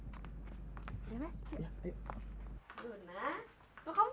baik juga kamu pegang bureau mata mike